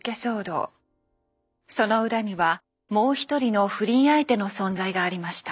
その裏にはもう一人の不倫相手の存在がありました。